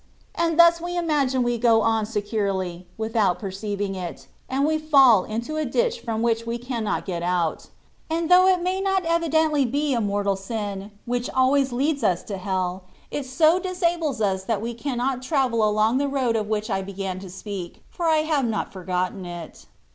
And thus we imagine we go on securely, without perceiving it, and we fall into a ditch from which we cannot get out; and though it THfi WAT OF PERFECTION. 193 may not be evidently a mortal sin, which always leads us to hell^ it so disables us^ that we cannot travel along the road of which I began to speak^ for I have not forgotten it.